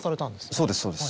そうですそうです。